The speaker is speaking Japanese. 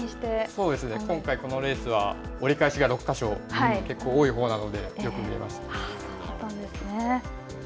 そうですね、今回このレースは折り返しが６か所、多い方なので、そうだったんですね。